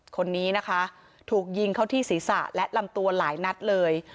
คนนี้นะคะถูกยิงเข้าที่ศีรษะและลำตัวหลายนัดเลย